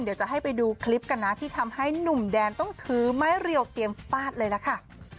เดี๋ยวจะให้ไปดูคลิปกันนะที่ทำให้หนุ่มแดนต้องถือไม้เรียวเตรียมฟาดเลยล่ะค่ะ